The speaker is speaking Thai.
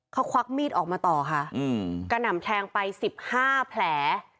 เขาควักมีดออกมาต่อค่ะกระหน่ำแทงไป๑๕แผล